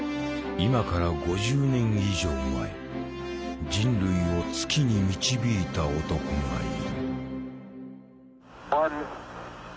今から５０年以上前人類を月に導いた男がいる。